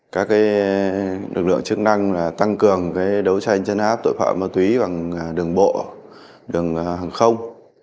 các lực lượng chức năng tăng cường đấu tranh chấn áp tội phạm ma túy bằng đường bộ đường hàng không